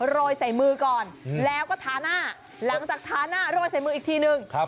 โรยใส่มือก่อนแล้วก็ทาหน้าหลังจากทาหน้าโรยใส่มืออีกทีนึง